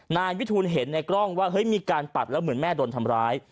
นายวิทูลเห็นในกล้องว่าเฮ้ยมีการปัดแล้วเหมือนแม่โดนทำร้าย